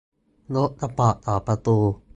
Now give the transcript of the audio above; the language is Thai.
รถสปอร์ตสองประตู